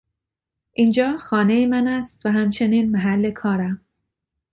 اینجا خانهی من است و همچنین محل کارم.